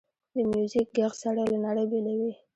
د میوزیک ږغ سړی له نړۍ بېلوي.